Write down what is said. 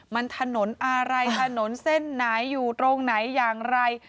มันถนนอะไรถนนเส้นไหนอยู่ตรงไหนอย่างไร